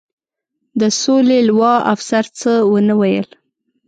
د سولې لوا، افسر څه و نه ویل.